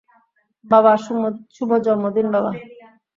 বাবা, - শুভ জন্মদিন বাবা।